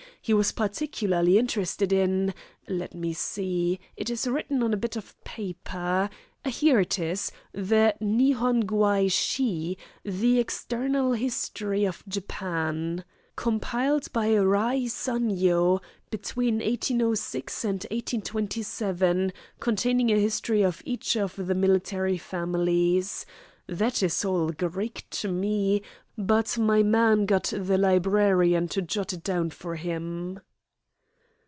He was particularly interested in let me see it is written on a bit of paper. Here it is, the 'Nihon Guai Shi,' the 'External History of Japan,' compiled by Rai Sanyo, between 1806 and 1827, containing a history of each of the military families. That is all Greek to me, but my man got the librarian to jot it down for him."